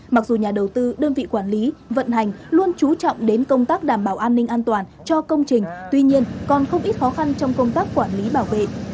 mặc dù nhà đầu tư đơn vị quản lý vận hành luôn trú trọng đến công tác đảm bảo an ninh an toàn cho công trình tuy nhiên còn không ít khó khăn trong công tác quản lý bảo vệ